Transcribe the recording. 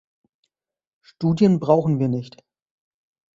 Studien brauchen wir nicht.